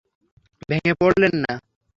ভেঙ্গে পড়লেন না।